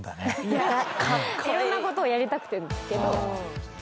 いろんなことをやりたくてですけど。